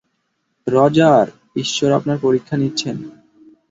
Roger, ঈশ্বর আপনার পরীক্ষা নিচ্ছেন!